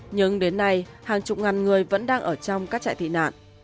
nhưng đến nay hàng chục ngàn người vẫn đang ở trong các trại tị nạn